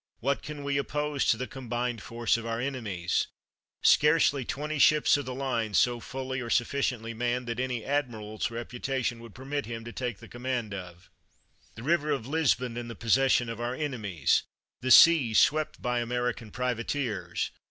What can we oppose to the combined force of our enemies ? Scarcely twenty ships of the line so fully or sufficiently manned, that any admiral's reputa tion would permit him to take the command of. The river of Lisbon in the possession of our ene mies! The seas swept by American privateers!